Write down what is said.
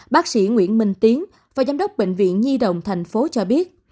bác sĩ nguyễn minh tiến và giám đốc bệnh viện nhi đồng thành phố cho biết